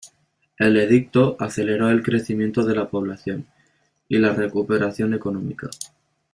El edicto aceleró el crecimiento de la población y la recuperación económica.